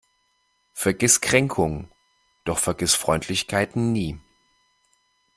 Vergiss Kränkungen, doch vergiss Freundlichkeiten nie.